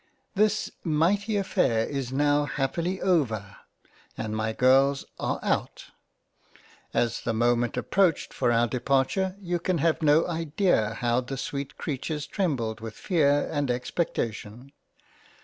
This mighty affair is now happily over, and my Girls are out. As the moment approached for our departure, you can have no idda how the sweet Creatures trembled with fear and expectation.